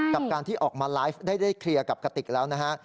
กับการที่ออกมาไลฟ์ได้เคลียร์กับกติกแล้วนะฮะ